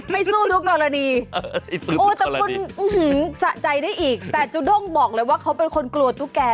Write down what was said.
สู้ทุกกรณีโอ้แต่คุณสะใจได้อีกแต่จูด้งบอกเลยว่าเขาเป็นคนกลัวตุ๊กแก่